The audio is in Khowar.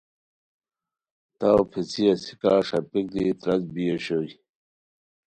تاؤ پیڅھی اسیکہ ݰاپیک دی تراڅ بی اوشوئے